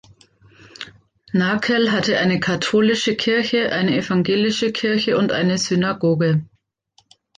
Nakel hatte eine katholische Kirche, eine evangelische Kirche und eine Synagoge.